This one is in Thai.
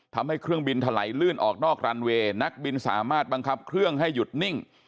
ทำให้เครื่องบินถลายลื่นออกนอกรันเวย์นักบินสามารถบังคับเครื่องให้หยุดนิ่ง